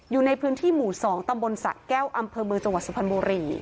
อยู่ในพื้นที่หมู่๒ตำบลสะแก้วอำเภอเมืองจังหวัดสุพรรณบุรี